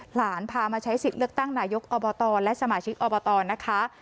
หลานพามาใช้สิทธิ์เลือกตั้งนายกอบตและสมาชิกอบตนะคะ